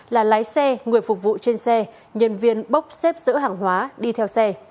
là lái xe người phục vụ trên xe nhân viên bóc xếp giữa hàng hóa đi theo xe